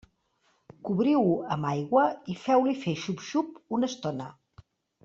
Cobriu-ho amb aigua i feu-li fer xup-xup una estona.